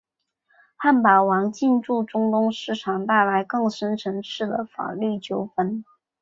汉堡王进驻中东市场带来了更深层次的法律纠纷。